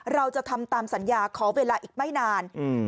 เราจะทำตามสัญญาขอเวลาอีกไม่นาน